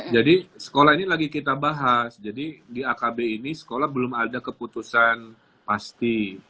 jadi sekolah ini lagi kita bahas jadi di akb ini sekolah belum ada keputusan pasti